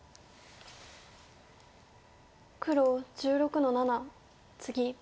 黒１６の七ツギ。